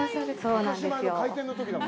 そうなんですよ。